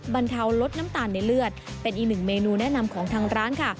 บรรเทาลดน้ำตาลในเลือดเป็นอีกหนึ่งเมนูแนะนำของทางร้านค่ะ